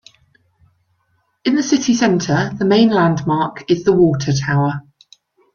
In the city center, the main landmark is the water tower.